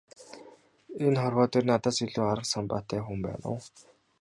Энэ хорвоо дээр надаас илүү арга самбаатай хүн байна уу?